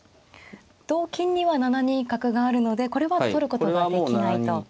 同金には７二角があるのでこれは取ることができないと。